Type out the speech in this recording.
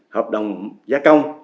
hợp đồng gia công